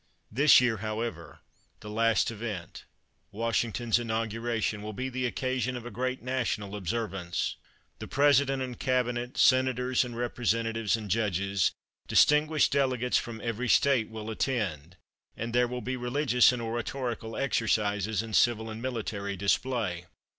This year, however, the last event, Washington's inauguration, will be the occasion of a great national observance. The President and cabinet, Senators and Representatives and judges, distinguished delegates from every State, will attend, and there will be religious and oratorical exercises and civil and military display.